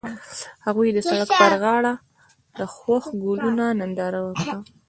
هغوی د سړک پر غاړه د خوښ ګلونه ننداره وکړه.